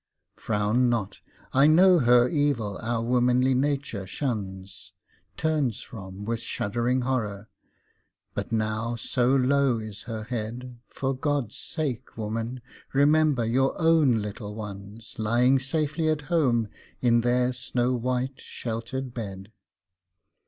Frown not, I know her evil our womanly nature shuns, Turns from, with shuddering horror; but now so low is her head For God's sake, woman, remember your own little ones Lying safely at home in their snow white sheltered bed.